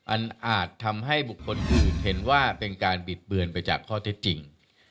อาจทำให้บุคคลอื่นเห็นว่าเป็นการบิดเบือนไปจากข้อเท็จจริง